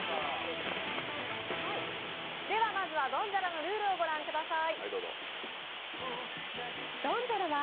まずはドンジャラのルールをご覧ください。